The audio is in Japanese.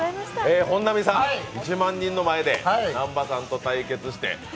本並さん、１万人の前で南波さんと対決して。